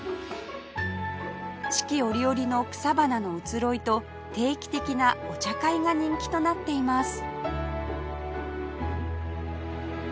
四季折々の草花の移ろいと定期的なお茶会が人気となっています